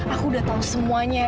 aku udah tahu semuanya